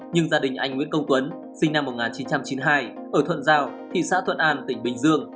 nhưng gia đình anh nguyễn công tuấn sinh năm một nghìn chín trăm chín mươi hai ở thuận giao thị xã thuận an tỉnh bình dương